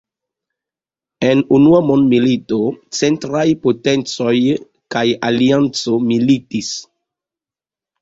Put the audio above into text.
En Unua Mondmilito, Centraj Potencoj kaj Alianco militis.